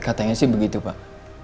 katanya sih begitu pak